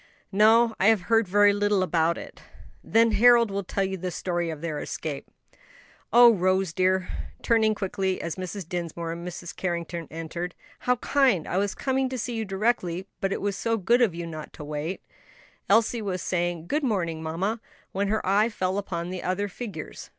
"No, I have heard very little about it." "Then Harold will tell you the story of their escape. Oh! Rose dear," turning quickly, as Mrs. Dinsmore and Mrs. Carrington entered, "how kind! I was coming to see you directly, but it was so good of you not to wait." Elsie was saying, "Good morning, mamma," when her eye fell upon the other figures.